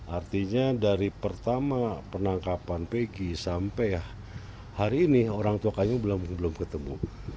artinya dari pertama penangkapan peggy sampai hari ini orang tua kayu belum ketemu